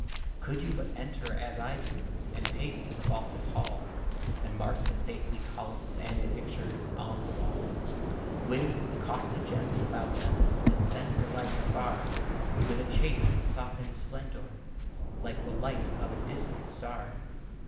Could you but enter as I do, And pace through the vaulted hall, And mark the stately columns, And the pictures on the wall; With the costly gems about them, That send their light afar, With a chaste and softened splendor Like the light of a distant star!